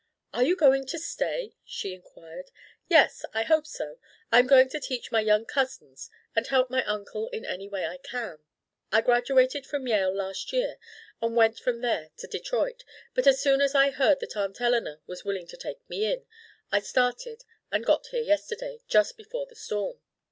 "Are you going to stay?" she inquired. "Yes, I hope so. I am going to teach my young cousins and help my uncle in any way I can. I graduated from Yale last year and went from there to Detroit, but as soon as I heard that Aunt Eleanor was willing to take me in, I started and got here yesterday, just before the storm."